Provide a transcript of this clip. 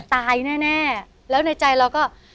ตายแน่แล้วในใจเราก็